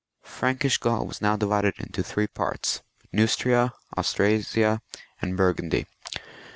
Frankish Gaul was now divided into three parts, Neustria, Austrasia, and Burgundy.